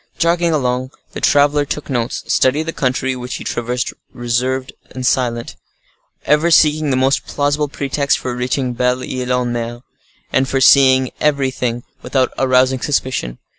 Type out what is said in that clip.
Jogging along, the traveler took notes, studied the country, which he traversed reserved and silent, ever seeking the most plausible pretext for reaching Belle Ile en Mer, and for seeing everything without arousing suspicion.